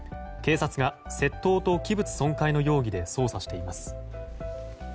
警察が窃盗と器物損壊の容疑で捜査しています。